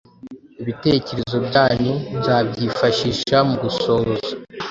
ibitekerezo byanyu nzabyifashisha mugusoza